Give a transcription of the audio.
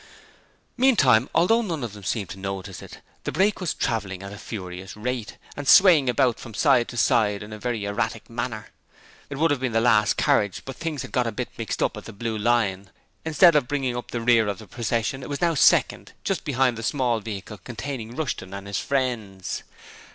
Meantime, although none of them seemed to notice it, the brake was travelling at a furious rate, and swaying about from side to side in a very erratic manner. It would have been the last carriage, but things had got a bit mixed at the Blue Lion and, instead of bringing up the rear of the procession, it was now second, just behind the small vehicle containing Rushton and his friends.